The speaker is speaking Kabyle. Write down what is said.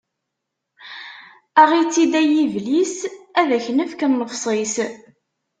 Aɣ-itt-id a yiblis, ad ak-nefk nnefṣ-is!